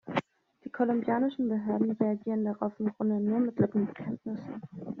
Die kolumbianischen Behörden reagieren darauf im Grunde nur mit Lippenbekenntnissen.